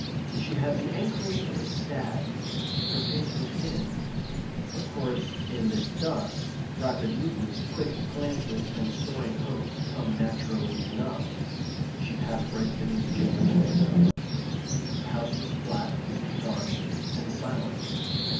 She had the ankles of a stag. Her face was hidden. Of course, in this dusk, rapid movements, quick glances, and soaring hopes come naturally enough. She passed right beneath Jacob's window. The house was flat, dark, and silent.